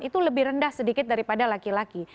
itu lebih rendah sedikit daripada laki laki